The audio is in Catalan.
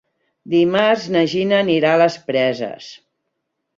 Dimarts na Gina anirà a les Preses.